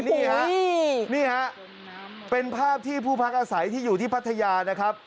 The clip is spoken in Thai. นี่ฮะนี่ฮะเป็นภาพที่ผู้พักอาศัยที่อยู่ที่พัทยานะครับ